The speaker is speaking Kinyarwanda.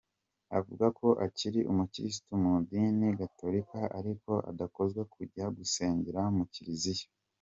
Avuga ko akiri umukirisitu mu idini Gatokila ariko adakozwa kujya gusengera mu kiliziya.